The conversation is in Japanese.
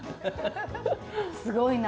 すごいな。